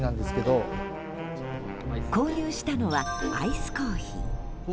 購入したのはアイスコーヒー。